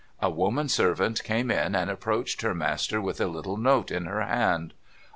A woman servant came in, and ajjproached her master with a little note in her hand.